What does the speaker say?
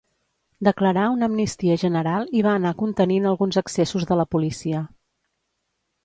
Declarà una amnistia general i va anar contenint alguns excessos de la policia.